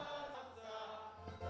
ia memulai berjalan dengan berat